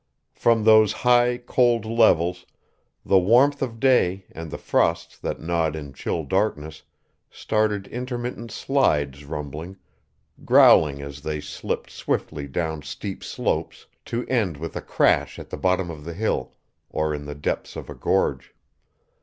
From those high, cold levels, the warmth of day and the frosts that gnawed in chill darkness started intermittent slides rumbling, growling as they slipped swiftly down steep slopes, to end with a crash at the bottom of the hill or in the depths of a gorge.